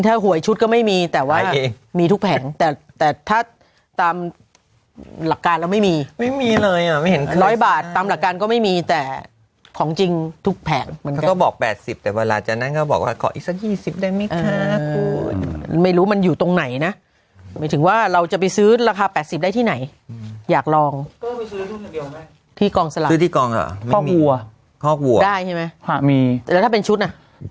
ถ้าหวยชุดก็ไม่มีแต่ว่ามีทุกแผงแต่แต่ถ้าตามหลักการเราไม่มีไม่มีเลยอ่ะไม่เห็นร้อยบาทตามหลักการก็ไม่มีแต่ของจริงทุกแผงมันก็บอก๘๐แต่เวลาจากนั้นก็บอกว่าขออีกสัก๒๐ได้ไหมคะคือไม่รู้มันอยู่ตรงไหนนะหมายถึงว่าเราจะไปซื้อราคา๘๐ได้ที่ไหนอยากลองก็ซื้อที่กองสลากซื้อที่กองเหรอคอกวัวคอกวัวได้ใช่ไหมมีแต่แล้วถ้าเป็นชุดน่ะ